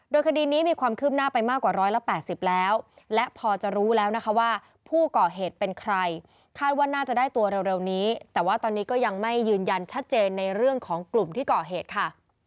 โดยคดีนี้มีความคืบหน้าไปมากกว่า๑๘๐แล้วและพอจะรู้แล้วนะคะว่าผู้ก่อเหตุเป็นใครคาดว่าน่าจะได้ตัวเร็วนี้แต่ว่าตอนนี้ก็ยังไม่ยืนยันชัดเจนในเรื่องของกลุ่มที่ก่อเหตุค่ะ